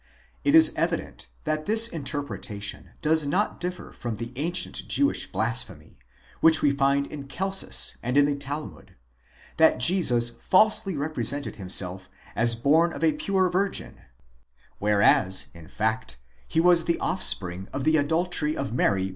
® It is evident that this inter pretation does not differ from the ancient Jewish blasphemy, which we find in Celsus and in the Talmud ; that Jesus falsely represented himself as born of a pure virgin, whereas, in fact, he was the offspring of the adultery of Mary with a certain Panthera.?